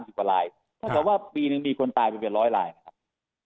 ถ้าเกิดว่าปีนึงมีคนตายประมาณ๑๐๐ลายนะครับ